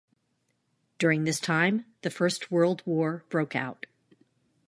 During this time the First World War broke out.